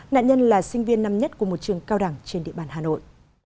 nạn nhân là sinh viên năm nhất của một trường cao đẳng trên địa bàn hà nội